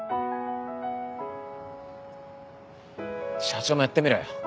ＯＰＰ！社長もやってみろよ。